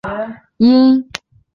樱井孝宏为日本男性声优。